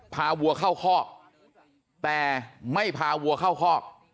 วัวเข้าคอกแต่ไม่พาวัวเข้าคอก